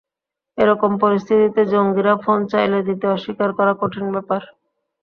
এ রকম পরিস্থিতিতে জঙ্গিরা ফোন চাইলে দিতে অস্বীকার করা কঠিন ব্যাপার।